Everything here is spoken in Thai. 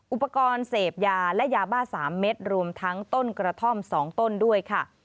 อุปกรณ์เสพยาและยาบ้า๓เม็ดรวมทั้งต้นกระท่อม๒ต้นด้วยค่ะ